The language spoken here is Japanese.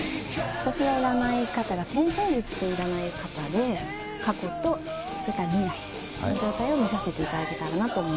私の占い方が天星術という占い方で過去とそれから未来の状態を見させていただけたらなと思います。